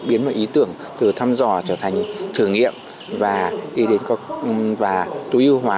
biến một ý tưởng từ thăm dò trở thành thử nghiệm và tối ưu hóa